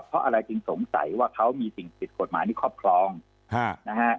เพราะอะไรจึงสงสัยว่าเขามีสิ่งผิดกฎหมายในครอบครองนะฮะ